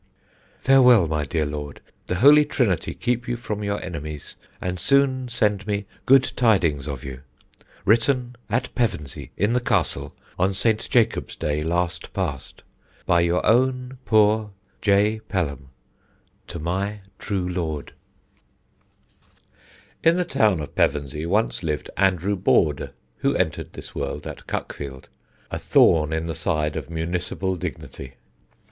"Farewell, my dear Lord! the Holy Trinity keep you from your enemies, and soon send me good tidings of you. Written at Pevensey, in the Castle, on St. Jacob's day last past. "By your own poor "J. PELHAM." "To my true Lord." [Sidenote: ANDREW BORDE AGAIN] In the town of Pevensey once lived Andrew Borde (who entered this world at Cuckfield): a thorn in the side of municipal dignity.